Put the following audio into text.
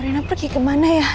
rena pergi kemana ya